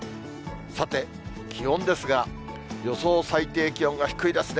さて、気温ですが、予想最低気温が低いですね。